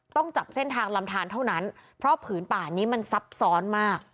ต้องจับเส้นทางลำทานเท่านั้นเพราะผืนป่านี้มันซับซ้อนมาก